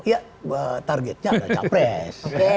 iya targetnya ada capres